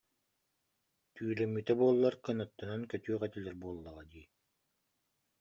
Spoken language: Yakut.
Түүлэммитэ буоллар кынаттанан көтүөх этилэр буоллаҕа дии